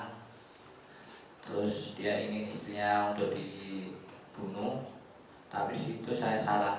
terus dia ingin istrinya untuk dibunuh